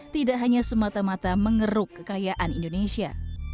tidak hanya semata mata mengeruk kekayaan indonesia